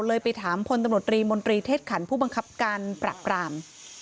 ไปถามพลตำรวจรีมนตรีเทศขันผู้บังคับการปรับราม